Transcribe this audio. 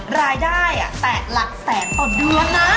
รายได้๘หลักแสนต่อเดือนนะ